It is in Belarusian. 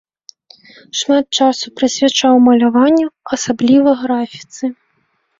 Шмат часу прысвячаў маляванню, асабліва графіцы.